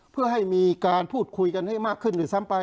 เพื่อให้มีการพูดคุยกันให้มากขึ้นด้วยซ้ำไป